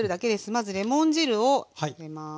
まずレモン汁を入れます。